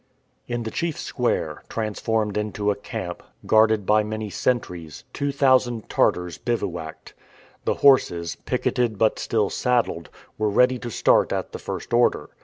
In the chief square, transformed into a camp, guarded by many sentries, 2,000 Tartars bivouacked. The horses, picketed but still saddled, were ready to start at the first order.